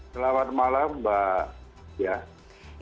selamat malam mbak